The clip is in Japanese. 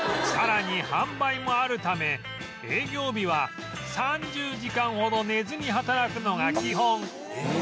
さらに販売もあるため営業日は３０時間ほど寝ずに働くのが基本